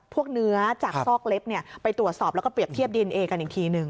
เนื้อจากซอกเล็บไปตรวจสอบแล้วก็เปรียบเทียบดีเอนเอกันอีกทีหนึ่ง